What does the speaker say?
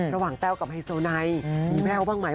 ระหว่างแต่ลกับไฮฟ์โซไนมีแมลกบ้างไหม